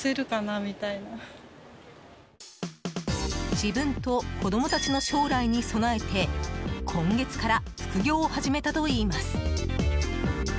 自分と子供たちの将来に備えて今月から副業を始めたといいます。